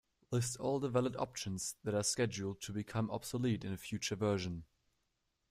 List all the valid options that are scheduled to become obsolete in a future version.